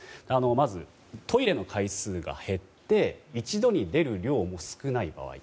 まず、トイレの回数が減って一度に出る量も少ない場合。